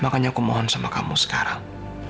makanya aku mohon sama kamu sekarang